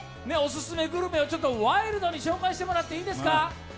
オススメグルメをワイルドに紹介してもらっていいですか？